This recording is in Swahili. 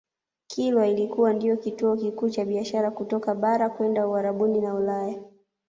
Kilwa ilikuwa ndiyo kituo kikuu cha biashara kutoka bara kwenda Uarabuni na Ulaya